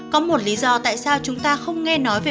có một lý do tại sao chúng ta không nghe nói về